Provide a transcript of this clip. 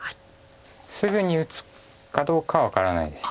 すぐに打つかどうかは分からないです。